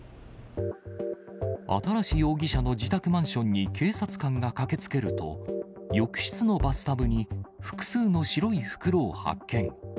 新容疑者の自宅マンションに警察官が駆けつけると、浴室のバスタブに複数の白い袋を発見。